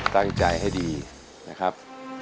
ตั้งใจให้ดีนะครับ